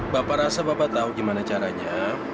bapak rasa bapak tahu gimana caranya